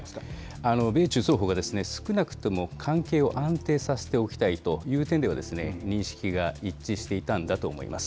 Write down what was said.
米中双方が少なくとも関係を安定させておきたいという点では認識が一致していたんだと思います。